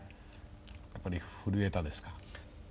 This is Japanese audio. やっぱり震えたですか？